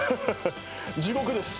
地獄です。